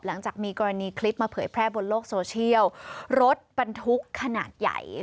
หลังจากมีกรณีคลิปมาเผยแพร่บนโลกโซเชียลรถบรรทุกขนาดใหญ่